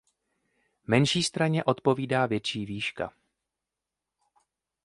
Menší straně odpovídá větší výška.